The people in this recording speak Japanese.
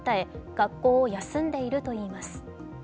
学校を休んでいるといいます。